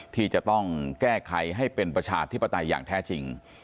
ที่จะต้องแก้ไขให้เป็นประชาธิปไตยอย่างแท้จริง